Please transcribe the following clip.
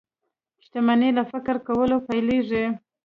شتمني له فکر کولو پيلېږي.